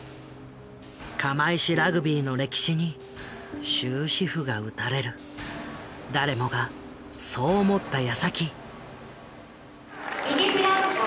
釜石ラグビーの歴史に終止符が打たれる誰もがそう思ったやさき。